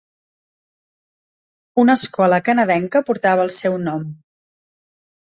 Una escola canadenca portava el seu nom.